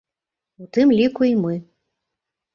У тым ліку і мы.